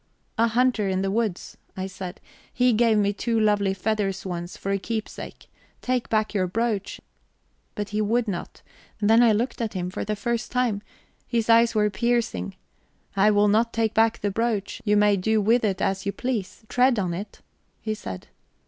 'A hunter in the woods,' I said. 'He gave me two lovely feathers once, for a keepsake. Take back your brooch.' But he would not. Then I looked at him for the first time; his eyes were piercing. 'I will not take back the brooch. You may do with it as you please; tread on it,' he said.